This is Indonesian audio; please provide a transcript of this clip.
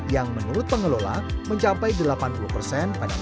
yang menurut pengelola mencapai delapan puluh persen